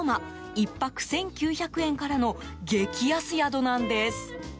１泊１９００円からの激安宿なんです。